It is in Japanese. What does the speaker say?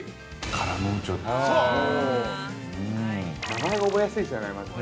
◆名前が覚えやすいですよね、まずね。